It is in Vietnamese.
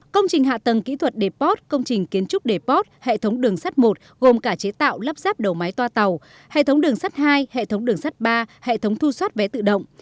công trình hạ tầng kỹ thuật deport công trình kiến trúc deport hệ thống đường sắt một gồm cả chế tạo lắp ráp đầu máy toa tàu hệ thống đường sắt hai hệ thống đường sắt ba hệ thống thu xoát vé tự động